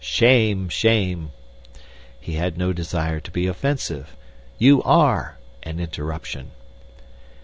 ('Shame! shame!') He had no desire to be offensive. ('You are!' and interruption.)